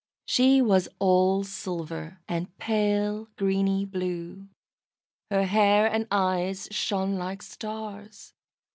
She was all silver, and pale greeny blue. Her hair and eyes shone like stars.